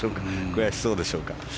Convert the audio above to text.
悔しそうでしょうか。